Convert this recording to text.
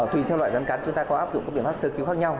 tùy theo loại rắn cắn chúng ta có áp dụng các biện pháp sơ cứu khác nhau